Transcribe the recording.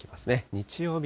日曜日。